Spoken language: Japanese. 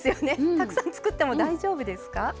たくさん作っても大丈夫ですか。